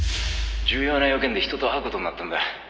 「重要な用件で人と会う事になったんだ」